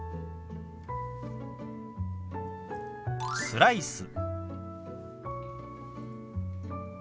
「スライス」。